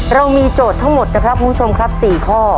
เรามีโจทย์ทั้งหมดนะครับคุณผู้ชมครับ๔ข้อ